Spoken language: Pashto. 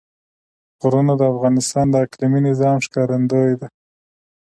غرونه د افغانستان د اقلیمي نظام ښکارندوی ده.